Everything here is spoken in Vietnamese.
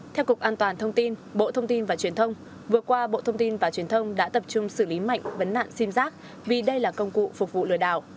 theo cục an toàn thông tin bộ thông tin và truyền thông vừa qua bộ thông tin và truyền thông đã tập trung xử lý mạnh vấn nạn sim giác vì đây là công cụ phục vụ lừa đảo